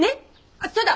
あそうだ